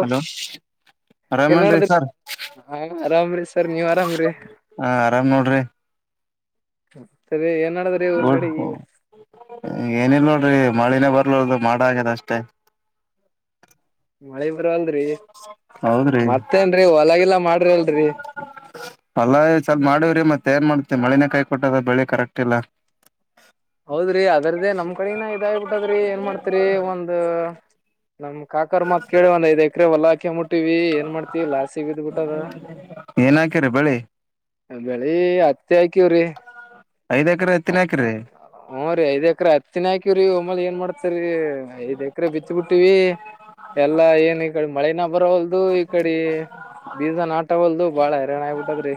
Hello ರೇಮನ್ ರೀ ಏನ್ಡದ್ರಿ ಸರ್ ಹ ಆರಾಮ್ರಿ ಸರ್ ನೀವ್ ಆರಾಮ್ರಿ ಹಾ ಆರಾಮ್ ನೋಡ್ರಿ ಹ್ಮ ಏನಿಲ್ಲ ನೋಡ್ರಿ ಮಳಿನ ಬ ಮಾಡಗ್ಯದ ಅಷ್ಟೇ ಮಳೆ ಬರ್ವಲ್ರರಿ ಹೌದ್ರಿ ಮತ್ತೇನ್ರಿ ಹೊಲಗಲ್ಲಾ ಮಾಡ್ರಿ ಅಲ್ರರಿ ಅಲ್ಲ ಸ್ವಲ್ಪ ಮಾಡಿವವ್ರಿ ಮತ್ತೆ ಏನ್ ಮಾಡ್ತಿ ಮಳನೇ ಕೈಿ ಕೊಟ್ಟದ ಬೆಳಿ ಕರೆಕ್ಟ್ ಇಲ್ಲ ಹೌದ್ರಿ ಅದ್ರ್ದೇ ನಮ್ ಕಡಿನ ಇದಾಗಬಿಟ್ಟದ್ರಿ ಏನ್ ಮಾಡಾ್ತರಿ ಒಂದ ನಮ್ ಕಾಕರ್ ಮತ್ ಕೇಳಿವಂದ ಇದೆ ಎಕರೆೆಲ್ಲಾಕೆ ಮುಟ್ಟಿ ವಿ ಏನ್ ಮಾಡ್ತೀವಿ ಲಾಸ್ ಸಿಗಿದ್ ಬಿಿಟ್ಟ ಅದ ಏನ್ ಹಾಕಿರಿ ಬೆಳಿ ಬೆಳಿ ಹತ್ತ ಆಕವ್ರೀ ಐದ್ ಎಕರೆ ಹತ್ತಿನ ಹತ್ ಹಾಕಿರಿ ಹ್ ರೀ ಐದ್ ಎಕ್ರ ಹತ್ತಿನಕಿ ಹಕ್ಕ್ರರಿ ಒಮ್ಮಲ್ ಏನ್ ಮಾಡ್ತರಿೀ ಐದ್ ಎಕರೆ ಬಿಚ್ ಬಿಟ್ಟಿವಿ ಎಲ್ಲಾ ಏನ್ ಈ ಕಡೆ ಮಳೆನ ಬರೋವಲ್ದು ಈ ಕಡೆ ಬೀಜ ನಾಟ ಟ್ಟವಲ್ದು ಬಾಳ ಹರಾಣ ಆಗಬಿಟ್ಟದ್ರಿ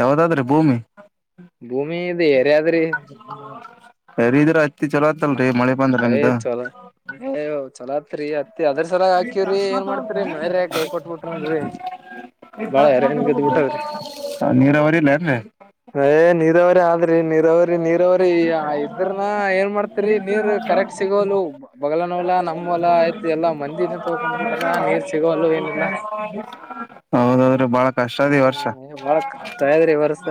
ಯಾವ್ದಾದ್ರಿ ಭೂಮಿ [inaudible] ಭೂಮಿದು ಏರಿಾದ್ರಿ ಬರ ಇದಿದ್ರ ಅತ್ತಿ ಚಲೋ ಆತ್ತಲ್ರರಿ ಮಳೆ ಬಂದ್ರ ನಿಮ್ದು ಚಲಾತ್ರಿ ಅದ್ರ ಸಲ ಹಾಕಿವವ್ರಿ ಏನ್ ಮಾಡ್ತರಿ ಮಳ ರ ಕೈಿ ಕೊಟ್ ಬಿಿಟ್ರನ್ರೀ ಬಾಳ ಎರ್ಯ ಬದ್ ಬಿಿಿ ನೀರಾವರಿ ಇಲ್ಲ ಅರಿ ಯ ನೀರವರಿ ಆದ್ರಿ ನೀರಾವರಿ ನೀರವರಿ ಇದ್ರನ ಏನ್ ಮಾಡ ರಿ ನೀರ್ ಕರೆಕ್ಟ್ ಸಿಗೋಲು ಬಲ ನಲ್ಲಾ ನಮ್ಮ್ವಲ ಆಯ್ತು ಎಲ್ಲಾ ಮಂದಿನ ತಕೊಂಡ್ಬಿಟಲ್ಲ ನೀರ್ ಸಿಗೋಲ್ಲ ಏನಿಲ್ಲ ಹೌದೌದ್ರಿ ಬಾಳ ಕಷ್ಟ ಅದ ಈ ವರ್ಷ ಹ ಬಹಳ ಕಷ್ಟ ಅದ್ರಿ ವರ್ಸ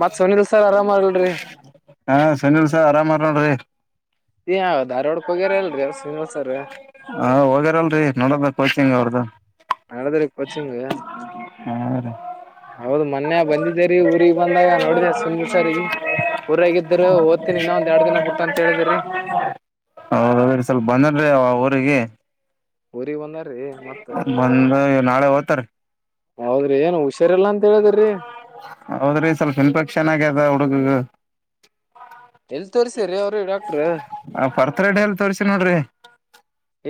ಮತ್ ಸುನಿಲ್ ಸರ್ ಆರಾಮ್ ಆಲ್ರಿ ಹಾ ಸುನಿಲ್ಸ ಆರಾಮ್ ಅರೋ್ರಿ ಏ ಹೌದದು ಆಾರ್ಡಕ್ ಹೋಗ್ಯಾರ ಅಲ್ರಿ ಎಸಸರ್ ಹಾ ಹೋಗ್ಯಾರಲ್ರರಿ ನೋಡದ ಕೋಚಿಂಗ್ ಅವ್ರದು ನದರ ಕೊಚಿಂಗ ಹಾ ರೀ ಹೌದು ಮೊನ್ನೆ ಬಂದಿದ್ದೇರಿೀ ಊರಿಗೆ ಬಂದಾಗ ನೋಡಿದೆ ಸುಮಲ್ ಸಾರಿಗೆ ಊರಾಗಿದ್ರು ಓದ್ತೀನಿ ಇನ್ನ ಒಂದ್ ಎರಡು ದಿನ ಬಿಟ್ಟ ಅಂತ ಹೇಳಿದಿ್ರಿ ಹ ಸ್ವಲ್ಪ ಬಂದನ್ ಅವ ಊರಿಗೆ ನೀ ಒಂದಾರೀ ಮತ್ತ ಬಂದ ನಾಳೆ ತ ಹೌದ್ರಿ ಏನು ಹುಷಾರಲ್ಲಾ ಅಂತ ಹೇಳಿದಿ್ರಿ ಹೌದ್ರಿ ಸ್ವಲ್ಪ ಇನ್ಫೆಕ್ಷನ್ ಆಗ್ಯದ ಹುಡುಗಗ್ ಎಲ್ ತೋರ್ರಿಸ್ರೀ ಅವ್ರೀ ಡಾಕ್ಟ್ರ ಆ ಪರ್ತ್ರರೆಡ್ ಎಲ್ ತೋಸಿ ನೋಡ್ರಿ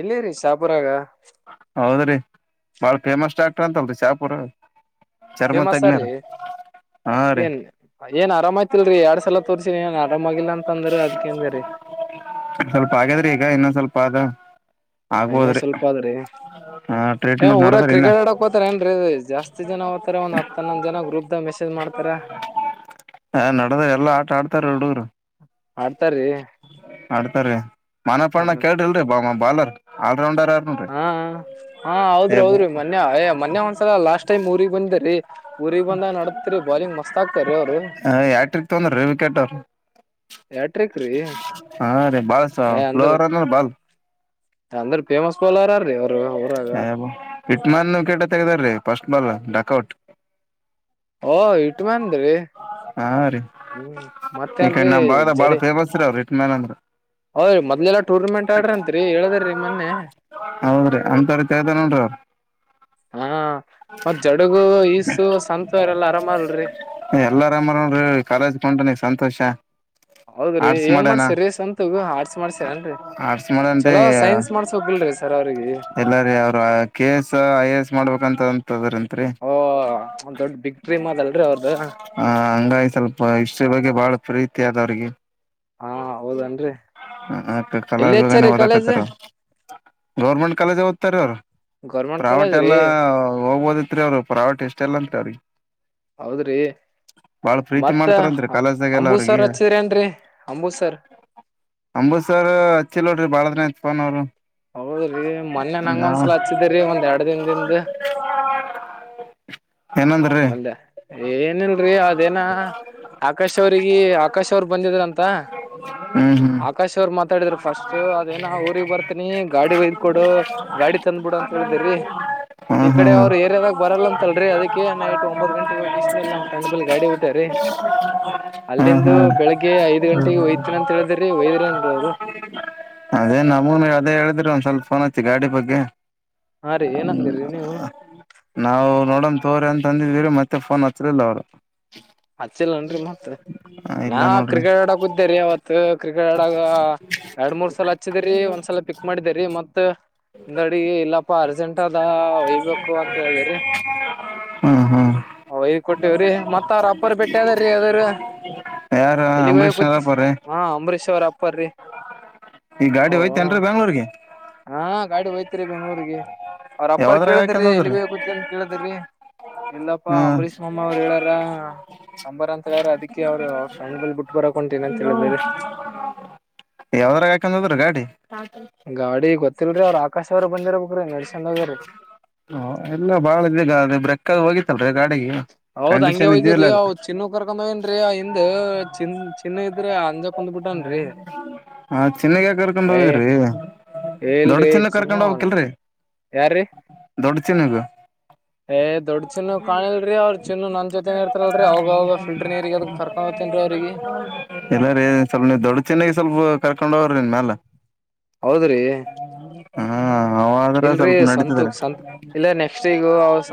ಇಲ್ಲೇ ರರಿ ಶಾಪರಾಗ ಹೌದ್ರಿ ಬಾಳ ಫೇಮಸ್ ಆಕ್ಟ ಅಂತಲ್ರಿ ಶಾಪುರ್ ಚರ್ಮ ಫೇಮಸ್ ತಗ್ನಾರ ಆರ್ರಿ ಏನ್ ಏನ್ ಆರಾಮಯ್ತಿಲ್ರರಿ ಎರಡ್ ಸಲ ತೋರ್ಸಿನಿ ಏನ್ ಆರಾಮ ಆಗಿಲ್ಲ ಅಂತ ಅಂದ್ರ ಅದ್ಕೇನ್್ರರಿ [unintelligible] ಸ್ವಲ್ಪ ಆಗಾದ್ರೆ ಈಗ ಇನ್ನ ಸ್ವಲ್ಪ ಅದ ಇನ್ನ ಆಗ್ಬೋದ್ರಿ [unintelligible] ಹಾ ಏ ಟ್ರೀಟ್ಮೆಂಟ್ ಊರಾಗ ನಡದರಿ ಇನ್ನ ಕ್ರಿಕೆಟ್ ಆಡಕ್ ಹೋತಾರ ಏನ್ೀ ಜಾಸ್ತಿ ಜನ ಹೋ್ತಾರ ಒಂದ ಹನ್ನೊಂದ ಜನ ಗ್ರೂಪ್ ದ ಮೆಸೇಜ್ ಮಾಡ್ತಾರೆ ಅತರ ಹ ನಡದ ಎಲ್ಲಾ ಆಟ ಆಡ್ತಾರ ಹುಡುಗರು ಆಡ್ತಾರ್ರಿ ಮಾಡಡ್ತಾರೀ ಮನಪಣ ಕೇಳಿಲ್ರರಿ ಬಾಲರ್ ಆಲ್ರೌಂಡರ್ ನೋಡ್ರಿ ಹಾ ಹಾ ಏ ಹೌದ್ರಿ ಹೌದ್ರಿ ಮನ್ಯ ಮೊನ್ಯ ಒಂದ್ಸಲ ಲಾಸ್ಟ್ ಟೈಮ್ ಊರಿಗೆ ಬಂದ್ರಿ ಊರಿಗೆ ಬಂದ ನಡತ್ರಿ ಬಾಲಿಂಗ್ ಮಸ್ತ್ ಆಗ್ತಾರೀ ಅವ್ರ ಯಾಟ್ರಿಕ್ ತೊಂದ್ರಿ ವಿಕೆಟ್ ಅವ್ರ ಎಟ್ರಕ್ ರೀ ಹಾ ರೀ ಬಾಲ್ ಹ ಅಂದ್ರ ಸ್ಲೋರ್ ಬಾಲ್ ಅಂದ್ರ ೇಮಸ್ ಬೌಲರರೀ ಅವ ಯೋ ಇಟ್ನ್ ಕೇಟ ತೆಗದಾರ್ರೀ ಫಸ್ಟ್ ಬಾಲ್ ಡಾಕ್ಔಟ್ ಓ ಯಟು ಮಾ ಅಂದ್ರೀ ಹಾ ರೀ ಈಕ ನಮ್ ಭಾಗದ ಬಾಳ ಜಡಿ ಫೇಮಸ್ ರರ ಅವ್ ರಿಟ್ ಮ್ಯಾನ್ ಅಂದ್ರ ಹೌದ್ರಿ ಮೊದ್ಲೆಲ್ಲಾ ಟೂರ್ನಮೆಂಟ್ ಆಡ್ರಿ ಅಂತ್ರಿ ಹೇಳಿದ್ರಿ ಮೊನ್ನೆ ಹೌ್ರೀ ಕದನಂಟ ಹಾ ಮತ್ ಜಡಗು ಈಸು ಸಂತು ಅವರೆಲ್ಲಾ ಆರಾಮಲ್ರಿ ಎಲ್ಲರಾಮರ ನೋಡ್ರಿ ಕಾಲೇಜ ಕೊಂಡನ ಸಂತೋಷ ಹೌದ್ರಿ ಆರ್ಟ್ಸ್ ಏನ್ ಮಾಡ್ಯನ ಮಾಡ್ಸಿರೀ ಸ್ವಂತಗ ಹಾಡ್ಸ್ ಮಾಡ್ಸಿರನ್ರರಿ ಆರ್ಟ್ಸ್ ಮಾಡನ್ರಿ ಚಲೋ ಸೈನ್ಸ್ ಮಾಡ್ಸ ಹೋಗಿಲ್ರಿ ಸರ್ ಅವ್ರಿಗೆ ಇಲ್ಲ ರೀ ಅವ್ರ K S I A S ಮಾಡ್ಬೇಕಂತ ಅಂತದ್ರತ್ರಿ ಒಂದು ದೊಡ್ ಬಿಗ್ ಡ್ರೀ್ ಅಲ್ಲ ಹ ಹಂಗಾಗಿ ಸ್ವಲ್ಪ ಇಷ್ಟ್ರಿ ಬಗ್ಗೆ ಬಹಳ ಪ್ರೀತಿ ಆದ ಅವ್ರಿಗೆ ಹಾ ಹೌದನ್ರಿ ಕ ಎಲ್ಲಿ ಕಲಾವೋಗಾನ ಹಚ್ಚಾರಿ ಕಾಲೇಜ್ ಓಡಕತಾರ ಗೌರ್ಮೆಂಟ್ ಕಾಲೇಜ ಓ್ತಾರೆ ಅವ್ರು ಗೌರ್ಮೆಂಟ್ ಪ್ರಾವೇಟ್ ಕಾಲೇಜ್ ರೀ ಎಲ್ಲಾ ಹೋಗ್ಬೋದತ್ರಿ ಅವರು ಪ್ರಾವೇಟ್ ಎಷ್ಟ ಎಲ್ಲಂತ್ರಿ ಅವ್ರಿಗೆ ಹೌದ್ರಿ ಬಾಳ ಪ್ರೀತಿ ಮತ್ತ ಮಾಡ್ತಾರಂತ್ರಿ ಕಾಲೇಜ್ದಾಗೆಲ್ಲ ಅವ್ರಿಗೆ ಅಂಬುಸರ್ ಹಚ್ಚಿದ್ರ ನ್ರರಿ ಅಂಬುಸರ್ ಅಂಬೂತ್್ಸರ್ ಹಚ್ಚಿಲ್ ನೋಡ್ರಿ ಬಾಳದನ ಇತ್ಪನ್ ಅವರು ಹೌದ್ರಿ ಮೊನ್ನ ನಂಗ ಒಂದ್ಸಲ ಹಚ್ಚಿದ್ರರಿ ಒಂದ್ ಎರಡ್ ದನ್ದಿಂದ ಏನಂದ್ರಿ ಒಂದೆ ಏನಿಲ್ರಿ ಅದೇನ ಆಕಾಶ್ ಅವ್ರಿಗೆ ಆಕಾಶ ಅವ್ರ ಬ ಬಂದಿದ್ರ ಅಂತ ಹ್ಮ್ ಹ್ಮ್ ಆಕಾಶ್ ಅವ್ರು ಮಾತಾಡಿದ್ರರು ಫಸ್ಟ್ ಅದೇನ ಊ ಬರ್ತೀನಿ ಗಾಡಿ ಕೊಡು ಗಾಡಿ ತಂದ್ ಬಿಡು ಅಂತ ಹೇಳಿದ್ರೀ ಹ್ಮ ಈ ಕಡೆ ಹ್ಮ್ ಅವ್ರು ಏರಿಯಾದಾಗ ಬರಲ್ಲ ಅಂತಲ್ರಿ ಅದಕ್ಕೆ ನೈಟ್ ಒಂಬತ್ ಗಂಟೆಗೆಗ ಹೋಗಿಸಲ್ಲಿ ನಮ್ಮ್ ಫ್ರಂಡ್ ಬ ಗಾಡಿ ಊಟ ರೀ ಹ್ಮ್ ಅಲ್ಲಿಂದು ಹ್ಮ್ ಬೆಳಿಗ್ಗೆ ಐದ್ ಗಂಟೆಗೆ ಒಯ್ತನ ಅಂತ ಹೇಳಿದ್ರಿ ಒಯದ್ರಿ ಅನ್ರೀ ಅವರು ಅದೇ ನಮನು ಅದೇ ಹೇಳಿದ್ರಿ ಒಂದ್ ಸ್ವಲ್ಪ ಫೋನ್ ಹಚ್ಚಿ ಗಾಡಿ ಬಗ್ಗೆ ಹಾ ರೀ ಹ್ಮ ಏನಂದಿರಿ ನೀವು ನಾವು ನೋಡೋ ತೋರಿ ಅಂತ ಅಂದಿದೀರಿ ಮತ್ತೆ ಫೋನ್ ಹಚ್ಚಲಿಲ್ಲ ಅವ್ರು ಹಚ್ಚೆಲ್ಲ ನನ್ರಿ ಮತ್ರ ನಾ ಇಲ್ಲ ನೋಡ್ರಿ ಕ್ರಿಕೆಟ್ ಆಡಕ್ುದ್ದೇರಿೀ ಅವತ್ತು ಕ್ರಿಕೆಟ್ ಆಡಕ್ ಎರಡ್ ಮೂರ್ ಸಲ ಹಚ್ಚಿದರಿ ಒಂದ್ಸಲ ಪಿಕ್ ಮಾಡಿದರಿ ಮತ್ತತ್ ಮುಿಂದ ಅಡಿಗೆ ಇಲ್ಲಾ ತುಪ ಅರ್ಜೆಂಟ್ ಅದ ಒಯ್ಬೇಕು ಅಂತ ಹೇಳಿದ್ರರಿ ಹ್ಮ್ ಹ್ಮ್ ಹ ಈ ಕೊಟ್ಟೇವ್ರಿ ಮತ್ತ ತ್ತಾರ ಅಪ್ಪರ್ ಬೆಟ್ಟೆ ಅದ್ರೀ ಅದ್ರ ಯಾರ ಎಲ್ಲಿಗ್ ಹೋಗ ಅಂಬರೀಷ್ ಕೂ ನರಪರಿ ಹಾ ಅಂಬರೀಶ್ ಅವರ್ ಅಪ್ಪರ್ರೀ ಈ ಗಾಡಿ ಓ ಹೋಯ್ತೇನ್ರಿ ಬೆಂಗ್ಳೂರ್ಗೆ ಹಾ ಗಾಡಿ ಹಯ್ತರಿ ಬೆಂಗ್ಗಳೂರಿಗೆ ಅವ್ರ ಅಪ್ಪ ಯಾವದ್ರಾಗ ಕೇಳಿದ್ರೀ ಹಾಕಂದದ್ರಿ ಎಲ್ಲಿಗತ್ತ ಅಂತ ಕೇಳಿದ್ರಿ ಇಲ್ಲಪ್ಪಾ ಹ್ಮ್ ಅಂಬರೀಷ್ ಮಾಮ್ಮ ಅವ್ರು ಹೇಳಾರ ಅಂಬರ್ ಅಂತ ಹೇಳಿದ್ರ ಅದಿಕ್ಕೆ ಅವ್ರು ಅವ್ರ ಫ್ರೆಂಡ್ ಬಲ್ ಬಿಟ್ ಬರಕಂಟನ ಅಂತ ಹೇಳಿದ್ರರಿ ಯಾವ್ದ್ರ ಹಾಕಂದದ್ರ ಗಾಡಿ ಗೊತ್ತಿಲ್ರಿ ಅವ್ರು ಆಕಾಶವ್ರು ಬಂದಿರಬೇಕು ಹ ಎಲ್ಲ ಬಾಳ ಇದಗ ಅೆ ಬೆ್ರಕ್ಕ ಹೋಗಿತ್ತಲ್ಲ ಹೌದ್ ಹಂಗೆ ಹಯ್ದವ್ರಿ ಚಿನ್ನ ಕರ್ಕೊಂಡ ಏನ್ೀ ಹಿಂದ್ ಚಿನ್ ಚಿನ್ನ ಇದ್ರ ಅಂಗ್ ಪ್ ಹ ಚಿನ್ನಗ ಕರ್ಕ ಏ ಹೋಗಿದ್ರಿ ದೊಡ್ ಚನ್ನ ಕರ್ಕೊಂಡ ಹೋಗ್ಕಿಲ್ರರಿ ಯಾರೀ ದೊಡ್ತಿನಗ ದೊಡ್ ಚಿನ್ನು ಕಾಣಿಲ್ರಿ ಅವ್ರ ಚಿನ್ನು ನನ್ ಜೊತೆನೆ ಇರ್ತರಲ್ರಿ ಅವಾಗ ಮಾಡ್ತಿನ್ ಅವಾಗ ಫಿಲ್ಟರ್ ನೀರಿಗೆ ಅದಕ್ ಕರ್ಕೊಂಡ್ ಹೋಗ್ತೇನ್ರಿ ಅವ್ರಿಗೆ. ಎಲ್ಲಾರ ಸ್ವಲ್ಪ ದೊಡ್ ಚೆನ್ನಾಗಿ ಸ್ವಲ್ಪ ಕರ್ಕೊಂಡ ಹೋಗ್ರ ನಿನ್ ಮೇಾಲ ಹ ಇಲ್ರೀ ಸಂತೂಕ್ ಸಂತ ಇಲ್ಲ ನೆಕ್ಸ್ಟ್ ಈಗ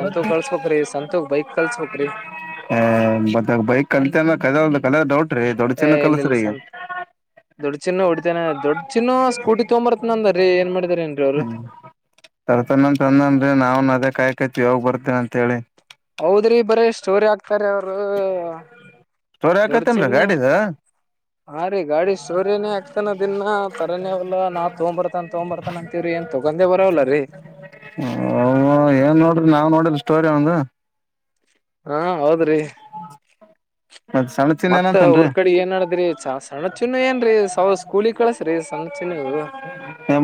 ಸಂತೂಕ್ ಕಲ್ಸ್ಬಕ್್ರಿ ಸಂತೂಕ್ ಬೈಕ್ ಕಲ್ಸ್ ಹ ಮತ್ತಾಗ ಬೈಕ್ ಅಂತ ಅ ಕ ಕ ಡೌಟ್್ರಿ ದೊಡ್ ಏ ಚೆನ್ನ ಇಲ್ಲ ಇಲ್ಲ ಕಲ್ಸ್ರಿ ಈಗ ಸಂತ್ ದೊಡ್ ಚಿನ್ನ ಹೊಡಿತಾನ ದೊಡ್ ಚಿನ್ನು ಸ್ಕೂಟಿ ತಗೊಂಬರತ್ ನಂದ್ರೀ ಏನ್ ಮಾಡಿದಾರ ಏನ್ರೀ ಅವ್ರರು ತರ್ತನ ಅನ್ನ ದ್ರಿ ನಾವ್ನ್ ಅದೇ ಕಾಯ ಕತಿ ಯಾವಾಗ್ ಬರ್ತನ ಅಂತ ಹೇಳಿ ಹೌದ್ರಿ ಬರೆ ಸ್ಟೋರಿ ಆಗ್ ಕ್ತರಿ ಅವ್ರು ಸ್ಟೋರಿ ಹಾಕತ್ತೇನ್ರಿ ದೊಡ್ಚಿನ್ನು ಗಾಡಿದ ಹಾ ರೀ ಗಾಡಿ ಸೂರ್ಯನೇ ಆಗ್ತಾನ ದಿನ್ನಾ ತರನೇವಲ್ಲಾ ನಾ ತಗೊಂಬ ಬರ್ತಾನ ತಗೊ ಬರ್ತಾನ ಅಂತ ರಿ ಏನ್ ತಗೊಂದೆ ಬರಲ್ಲ ರೀ ಹ ಏನ್ ನೋಡ್ರಿ ನಾವ್ ನೋಡಿದ್ ಸ್ಟೋರಿ ಅವಂದು ಹಾ ಹೌದ್ರಿ ಮತ್ ಸಣ್ಣ ಚಿನ್ನ ಮತ್ತ ಏನಂತನ್ರಿ ಅವರ್ ಕಡೆ ಏನಾಡದ್ರಿಸ ಸ [unintelligible] ಚಿನ್ನ ಏನ್ರೀ ಸಾವ ಸ್ಕೂಲಿಗೆ ಕಳಸ್ರಿ ಸಣ್ ಚಿನ್ನುಗೂ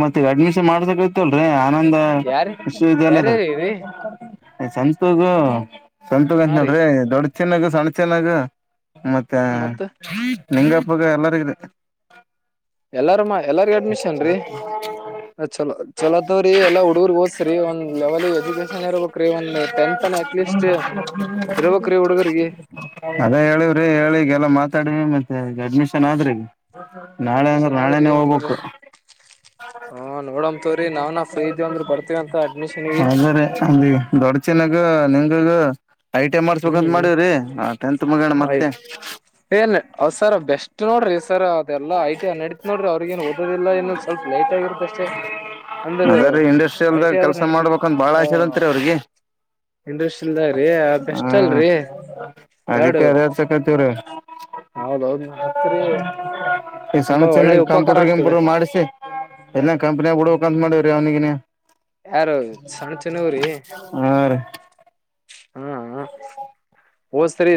ಮತ್ತ ಅಡ್ಮಿಷನ್ ಮಾಡ್ಸ ಇತಲ್ರೀ ಆನಂದ ಯಾರಿ ವಿಶ್ವವಿದ್ಯಾಲಯದ ಯಾರ್ಯಾರೀ ರೀ ಸಂತದು ಸಂತದು ಅಂತ ಹಾ ರೀ ನಡ್ರಿ ದೊಡ್ ಚೆನ್ನಾಗ ಸಣ್ ಚೆಲ್ಲಗ ಹ ಮತ್ತೆ ಮತ್ತ ನಿಂಗಪ್ಪಗ ಎಲ್ಲರಿಗಿದೆ ಎಲ್ಲಾರ ಮಾ ಎಲ್ಲಾರ್ಗು ಅಡ್ಮಿಷನ್ ರೀ ಚಲೋ ಚಲೋದವ್ರೀ ಎಲ್ಲಾ ರ್ ಓದಸ್ರಿ ಒಂದು ಲೆವೆಲ್ ಎಜುಕೇಶನ್ ಇರಬೇಕ್ ರೀ ಒಂದ್ ಟೆಂತ್ ಅಟ್ ಲೀಸ್ಟ್ ಇರಬೇಕ್ ರಿ ಹುಡುಗುರ್ಗೆ ಅದ ಹೇಳವ್ರಿ ಹೇಳಿಗೆಲ್ಲ ಮಾತಾಡವಿ ಮತ್ತೆ ಈ ಅಡ್ಮಿಷನ್ ಆದ್ರಿಗ ನಾಳೆ ಅಂದ್ರೆ ಅಡ್ಮಿಷನ್ ಆದ್ರಿ ನಾಳೆನೇ ಅಂದ್ರ ಹೋಗ್ಬೇಕು ಹಾ ನೋಡಮ ತವ್ರೀ ನಾವನ್ ಫ್ರೀ ಇದವಿ ಅಂದ್ರ ಬರ್ [inaudible] ಅದ್ರ ಅಲ್ಲಿ ದೊಡ್ ಚೆನ್ನಗು ನಿಂಗಾಗು ಐ ಟಿಐ ಮಾಡಸ್ಬೇಕಂತ್ ಹ್ಮ್ ಮಾಡೀವ್ರಿ ಟೆಂತ್ ಮಗಣ ಮತ್ತೆ ಆಯ್ತ್ ಏನ್ ಅವಸರ್ ಬೆಸ್ಟ್ ನೋಡ್ರಿ ಎಲ್ಲಾ ಐಟಿ ನಡೀತ್ ನೋಡ್ರಿ ಅವ್ರಿಗೆನ್ ಓದೋದಿಲ್ಲ ಏನಲ್ಲಿ ಸ್ವಲ್ಪ್ ಲೈಟ್ ಆಗಿರುತ್ತ ಅಷ್ಟೆ ಅಂದ್ರ ಅದ್ರೀ ಇಂಡಸ್ಟ್ರಿಯಲ್ದಾಗ ಐಟಿ ಆದ್ರ ಕೆಲ್ಸ ನಡತಿ ಮಾಡ್ಬೇಕಂತ ಬಾಳ ಹ ಆಸೆದಂತ್ರಿ ಅವ್ರಿಗೆ ಇಂಡ್ರಸ್ ಇಲ್ದ್ರೀ ಬೆಸ್ಟ್ ಹ್ಮ್ ಅಲ್ರರಿ ಯಾವಡು ಅದಕ್ಕೆ ಅದ [unintelligible] ಹಚ್ಚಕತಿವ್ರಿ ಹೌದೌದ್ನ ಹತ್ರಿ ಈ ಸಣ್ಣ ತುಂಬಾ ಒಳ್ಳೆ ಚೆನ್ನಾಗಿ ಉಪಕಾರ ಕಂಪ್ಯೂಟರ್ಗೆ ಗಿಮ್ ಆಗ್ತದೆ ಪ್ಯೂಟರ್ ಮಾಡಿಸಿ ಎಲ್ಲ ಕಂಪ್ನಿಯಾಗ ಬಿಡಬೇಕ್ ಅಂತ ಮಾಡವ್ರೀ ಅವನಿಗೆ ನೀ ಯಾರು ಸಣ್ಣ ಚನವ್ರಿ ಹ ರಿ ಹಾ ಹಾ [inaudible]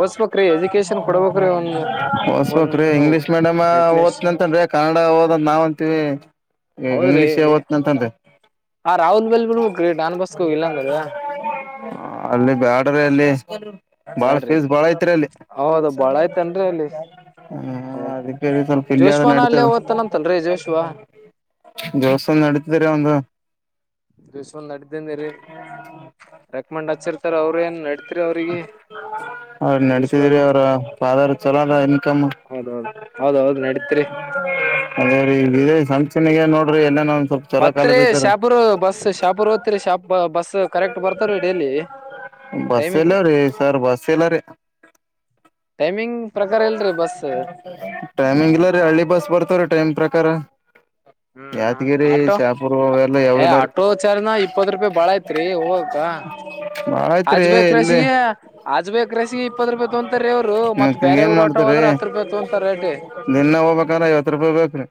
ಓದ್ಸ್ಬೇಕ್ರಿ ಎಜುಕೇಶನ್ ಕೊಡ್ಬೇಕ್ರಿ ಒಂದ್ ಹೊಸ್ಕ ರ ಒಂದ್ ಇಂಗ್ಲಿಷ್ ಮೇಡಮ ಎಟ್ಲೀಸ್ಟ್ ಓದ್ ಅಂತನ್ೇ [unintelligible] ಕನ್ನಡ ಓದಂತ ನಾವ್ ಅಂತೀವಿ ಈ ಹೌದ್ರಿ ಇಂಗ್ಲೀಷ್ ಒತ್ನ ಅಂತ ಅಂತೆ [inaudible] ಆ ರಾಹುಲ್ ಬಲ್ ಬಿಡ್ಬೇಕ್ರಿ ಡಾನ್ ಬಸ್ಕೋ ಇಲ್ಲಾಂದ್ರ ಅಲ್ಲಿ ಬ್ಯಾಡ್ರ ಅಲ್ಲಿ ಬಾಳ ಬ್ಯಾಡ್ರಿ ಫೀಸ್ ಬಾಳ್ ಐತ್ರಿ ಅಲ್ಲಿ ಹೌದ ಬಾಳ ಐತನ್ರಿ ಅಲ್ಲಿ ಹ್ಮ್ ಅದಿಕೆ ಸ್ವಲ್ ಜೋಶ್ವನ ಅಲ್ಲೇ ಓದ್ತಂನಂತಲ್ರಿ ಜೋಶ್ವ ದಿವಸ ನಡಿತ್ರಿ ಅವನ್ದು [unintelligible] ದಿವ್ ಒಂದ್ ನಡ್ದನ್ಿ ರೀ ರೆಕಮಂಡ್ ಹಚಿರ್ತಾರ ಅವ್ರ ಏನ್ ನಡತಿರಿ ಅವ್ರಿಗೆ ಅವ್ರ ಜೋಶ್ವಾಗ ನಡತಿದೀರಿ ಅವ್ರ ಫಾದರ್ ಚಲೋ ಅದ ಇನ್ಕಮ್ [unintelligible] [inaudible] ಹೌದೌದು ಹೌದೌದ್ ನಡೀತ್ರಿ ಅದೇ ರೀ ಇದೇಶ ಸಂಚನೆಗೆ ನೋಡ್ರಿ ಎಲ್ಲನ ಸ್ವಲ್ಪ ಚಲೋ ಮತ್ತರಿ ಕಾಲೇಜ್ ಇದ್ದಾರ ಶಾಪೂರ್ ಬಸ್ ಶಾಪೂರ್ ಹೊತ್ರಿ ಶಾಪ್ ಬಸ್ ಕರೆಕ್ಟ್ ಬರ್ತಾರೀ ಡೇಲಿ ಬಸ್ ಇಲ್ಲಾ ರೀ ಸರ್ ಬಸ್ ಇಲ್ಲಾ ರೀ ಟೈಮಿಂಗ್ ಪ್ರಕಾರ ಇಲ್ರಿ ಬಸ್ [inaudible] ಟೈಮಿಂಗ್ ಇಲ್ಲ ರೀ ಹಳ್ಳಿ ಬಸ್ ಬರ್ [unintelligible] ಟೈಮ್ ಪ್ರಕಾರ ಹ್ಮ್ ಯಾದಗಿರಿ ಆಟೋ ಶಪುರ್ ಏ ಆಟೋ ಚಾರ್ನ ಇಪ್ಪತ್ ರೂಪಾಯಿ ಬಾಳ ಐತ್ರಿ ಹೋಗಕ್ಕ ಆಯ್ತ್ರಿ ಎಲ್ [unintelligible] ರಸಿಗೆ ಆಜ್ಬೇಕೇಕಕ್ ರೆಸಿಗೆ ಇಪ್ಪತ್ತು ರೂಪಾಯಿ ತೊಂತಾರೆ ಇವರುತ್ತತ್ ಮತ್ ಬೇರೆೆಯವ್ರು ಆಟೋ ಆದ್ರ ಹತ್ತು ರೂಪಾಯಿ ತೊಂತಾರ ರೇಟ ನೆನ್ನೆ ಹೋಗ್ಬೇಕಾರ ಐವತ್ತು ರೂಪಾಯಿ ಬೇಕ್ರಿ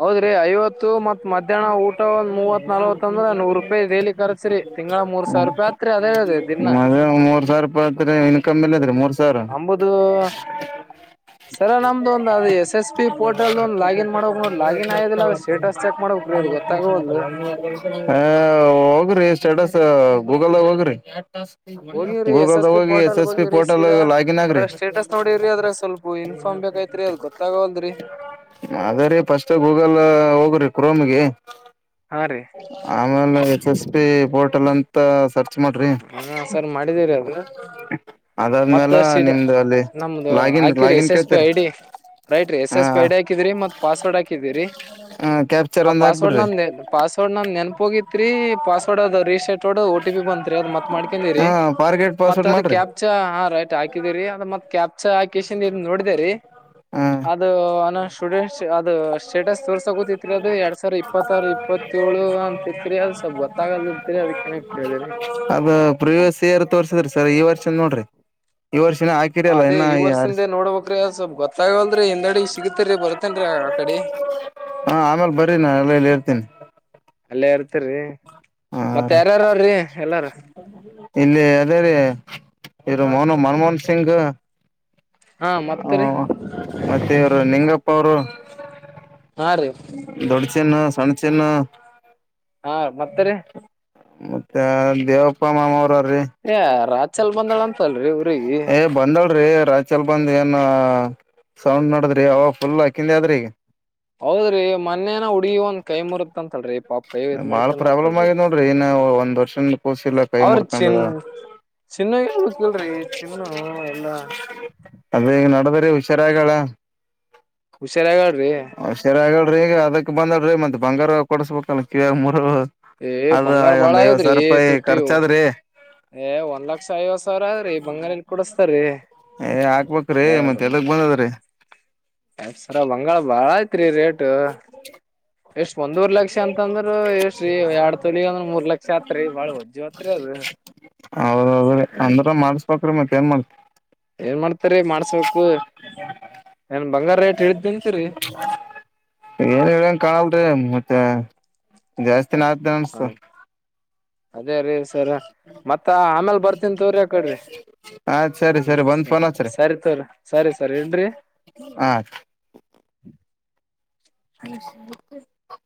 ಹೌದ್ರಿ ಐವತ್ತು ಮತ್ ಮಧ್ಯಾಹ್ನ ಊಟ ಒಂದ್ ಮೂವತ್ ನಲ್ವತ್ ಅಂದ್ರ ನೂರ್ ರೂಪಾಯಿ ಡೈಲಿ ಕರ್ಸಿ ತಿಂಗಳ ಮೂರ್ ಸಾವಿರ ರೂಪಾಯಿ ಹತ್ರಿ ಅದೇ ಅದದೆ ಮದ ಮೂರ್ ಸಾವಿರ ರೂಪಾಯತ್ರಿ ಇನ್ಕಮ್ ಎಲ್ಲದ್ರರಿ ಮೂರ್ ಸಾವಿರ ನಂಬುದು ಸರ ನಮ್ದು ಒಂದ್ ಅದು ಎಸ್ ಎಸ್ ಪಿ ಪೋರ್ಟಲ್ ಒಂದ್ ಲಾಗಿನ್ ಮಾಡ್ಬೇಕ್ ನೋಡ್ ಲಾಗಿನ್ ತ [inaudible] ಆಗೋದಿಲ್ಲ ಅದ ಸ್ಟೇಟಸ್ ಚೆಕ್ ಮಾಡ್ಬೇಕ್ರೀ ಅದು ಗೊತ್ತಾಗವಲ್ದು ಹ ಹೋಗ್ರಿ ಸ್ಟೇಟಸ್ ಹೋಗಲ್ಲ ಹೋಗ್ರ ಹೋಗಿವ್ರಿ ಎಸ್ ಗೂಗಲ್ದ ಪಿ ಹೋಗಿ ಎಸ್ ಪೋರ್ಟಲ್ಗೆ ಎಸ್ ಪಿ ಹೋಗಿವ್ರಿ ಪೋರ್ಟಲ್ ಸೀದಾ ಲಾಗಿನ್ ಅದ್ರ ಆಗ್ರಿ ಸ್ಟೇಟಸ್ ನೋಡಿವ್ರಿ ಅದ್ರ ಸ್ವಲ್ಪ ಇನ್ಫಾರ್ಮ್ ಬೇಕೈತ್ರಿ ಅದ ಗೊತ್ತವಲ್ರರಿ ಅದ ರೀ ಫಸ್ಟ್ ಗೂಗಲ್ ಹೋಗ್ರಿ ಕ್ರೋಮ್ಗೆ ಹಾ ರೀ ಆಮೇಲೆ ಎಸ್ ಎಸ್ ಪಿ ಪೋರ್ಟಲ್ ಅಂತ ಸರ್ಚ್ ಮಾಡ್ರಿ ಹ ಸರ್ ಮಾಡಿದೀರಿ ಅದು ಅದಾದ್ಮೇಲೆ ಮತ್ತಷ್ಟ ನಿಮ್ದು ಅಲ್ಲಿ ನಮ್ದು ಲಾಗಿನ್ ಹಕ್ಯೂರ್ ಲಾಗಿನ್ ಎಸ್ ಎಸ್ ಪಿ ಕೇಳ್ತರಿ ಐ ಡಿ ರೈಟ್ ರೀ ಎಸ್ ಎಸ್ ಹ ಪೈಡ್ ಹಾಕಿದಿ್ರ ಮತ್ ಪಾಸ್ವರ್ಡ್ ಹಾಕಿದಿರಿ ಹ ಕ್ಯಾಪ್ಚರ್ ಆ ಒಂದ್ ಪಾಸ್ವರ್ಡ್ ಹಾಕ್ಬಿಡ್ರಿ ನಂದ ಪಾಸ್ವರ್ಡ್ ನಂದ್ ನೆನಪ ಹೋಗಿತ್ರಿ ಪಾಸ್ವರ್ಡ್ ಅದ ರೀಸೆಟ್ ಬತ್ರಿ ಅದು ಮತ್ ಹ ಮಾಡ್ಕೊಂಡಿರಿ ಫಾರ್ಗೆಟ್ ಮತ್ ಪಾಸ್ವರ್ಡ್ ಅದ ಮಾಡ್ರಿ ಕ್ಯಾಪ್ ರ ಹಾಕಿದೀರಿ ಅದ ಮತ್ ಕ್ಯಾ ಅ ಕೇಶನ್ ನೋಡಿದ ರರಿ ಹ ಅದು ನ ಸ್ಟೂಡೆಂಟ್ ಅದು ಸ್ಟೇಟಸ್ ತೋರ್ಸ ಕೂತಿತ್ರಿ ಅದ ಎರಡ್ ಸಾವಿರ ಇಪ್ಪತ್ತಾರು ಇಪ್ಪತ್ತಏಳು ಅಂತಿತ್ರಿ ಅದು ಸ್ವಲ್ ಗೊತ್ತಾಗಲ್ದತ್ರಿ ಅದ್ ಏನ ಕೇಳಿದರಿ ಅದ ಪ್ರಿವಿಸ ಇರ ವರ್ಷದ್ರೀ ಸರ್ ಈ ವರ್ಷ ನೋಡ್ರಿ ಈ ವರ್ಷನ ಹಾಕಿರಿಲ್ಲ ಅದೇ ಈ ವರ್ಷದಿಂದ ನೋಡ್ಬಬೇಕ್ರ ಸ್ವಲ್ಪ ಗೊತ್ತಾಗಲ್ರಿ ಹಿಂದೆಾಡಿ ಸಿಗತೇರಿ ಬರ್ತೇನ್ರೀ ಆ ಕಡೆ [inaudible] ಹಾ ಆಮೇಲೆ ಬರಿ ನಾನ ಅಲ್ಲಲ್ಲಿ ಇರ್ತೇನಿ ಅಲ್ಲೇ ಇರ್ತ್ರರಿ ಮತ್ತ ರೀ ಯಾರಾರ್ರೀ ಎಲ್ಲಾರ ಅೇ ರೀ ಇರು ಮೋನ ಮನ್ಮೋಹನ್ ಸಿಂಗ್ ಹಾ ಮತ್ರಿ ಹ ಮತ್ತೆ ಇವರು ನಿಂಗಪ್ಪ ಅವರು ಹಾ ರೀ ದೊಡ್ಚನ್ನು ಸಣಚನ್ ಹಾ ಮತ್ತರಿ ಮತ್ತೆ ದೇವಪ್ಪ ಮಾಮ ಅವರ ಏ ರಾತ್ಲ್ ಬಂದಾಳ ಅಂತಲ್ರರಿ ಊ್ರಗ ನೋಡ್ರಿ ರಾಚಲ್ ಬಂದ್ ಏನ ಸೌಂಡ್ ನೋಡದ್ರಿ ಅವ ಫುಲ್ ಹಾಕಿಂದ ಆದದ್ರಿ ಈಗ ಹೌದ್ರಿ ಮೊನೇನ ಹುಡುಗಿ ಒಂದ ಕೈ ಮುರುತ್ ಅಂತಲ್ರಿ ಪಾಪ್ ಕೈ ಇದ್ ಬಾಳ ಮಾಡ್ಕೊಂಡ್ ಪ್ರಾಬ್ಲಮ್ ಅಂತಲ್ರಿ ಆಗಿದೆ್ ನೋಡ್ರಿ ಇನ್ ಒಂದ್ ವರ್ಷನ್ ಕೂಸಿಲ್ಲ ಕೈ ಮುರ್ಕೊಂಡ ಚಿನ್ನ ಯಕ್ೇಳ್ರಿ ಚಿನ್ನು ಎಲ್ಲಾ ಅದೇ ಈಗ ನಡದ್ರೀ ಹುಷಾರಾಗಗಳ ಸರಿಯಾಗಡ್ರಿ ಈಗ ಅದಕ್ ಬಂದಡ್ರೀ ಮತ್ ಬಂಗಾರ ಕೊಡಸ್ಬೇಕಲ್ಲ ಕ ಮೂರು ಏ ಅದ ಬಂಗಾರ ಬಾಳ ಒಂದ್ ಐವತ್ ಆಗದ್ರಿ ಸಾವಿರ ರೂಪಾಯಿ ತುಟ್ಟಿ ಖರ್ಚಾದ್ರಿ ಏ ಒಂದ್ ಲಕ್ಷ ಐವತ್ ಸಾವಿರ ಅದ್ರಿ ಬಂಗಾರಲ್ ಕುಡಸ್ತಾರೀ ಏ ಹಾಕ್ಬೇಕ್ರೀ ಮತ್ತತ್ ಎಲ್ಲಗ್ ಬಂದದ್ರೀ ಎಪ್ಸರ ಬಂಗರಾ ಬಾಳ ಐ್ತ್ರಿ ರೇಟ್ ಎಷ್ಟ್ ಒಂದೂರ್ ಲಕ್ಷ ಅಂತಂದ್ರ ಎಷ್ಟೀ ಎರಡ್ ತೊಲಿ ಅಂದ್ರ ಮೂರ್ ಲಕ್ಷ ಆತ್ರಿ ಬಾಳ ಒಜ್ಜ್ ಆತ್ರಿ ಅದ ಹೌದ್ೌದ್ರೀ ಅಂದ್ರ ಮಾಡ್ಸ್ಬ್ರೀ ಮತ್ತ ಏನ್ ಮಾಡ್ತ ಏನ್ ಮಾಡ್ತರಿ ಮಾಡ್ಸ್ಬೇಕು ಏನ್ ಬಂಗಾರ ರೇಟ್ ಇಳಿತಂತರಿ ಹಾಡು ಏನ್ ಹೇಳಂಗ ಕಾಣಲ್ರಿ ಹಾ ಜಾಸ್ತಿಿನ ಹಾಕ್ತಿನ್ ಅನ್ಸ್ತು ಹ ಅದೇ ರೀ ಸರ ಮತ್ತ ಆಮೇಲ್ ಬರ್ತೀನ್ ತೋರಿ್ಯಾಕಡ್ರಿ ಆಯ್ತ್ ಸರಿ ಹ್ಮ ಬಂದ್ ಸರಿ ಫೋನ್ ಸರಿ ತೋರಿಿ ಸರಿ ಸರಿ ಸರ್ ಏನ್ರಿ ಆ ಹ್ಮ ಹಷತ್ತ [inaudible]